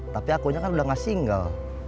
tapi akunya kan udah gak single